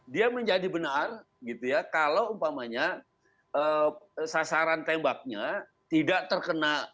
dia menjadi benar gitu ya kalau umpamanya sasaran tembaknya tidak terkena